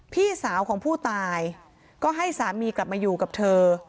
พี่สาวของผู้ตายก็ให้สามีกลับมาอยู่กับเธอ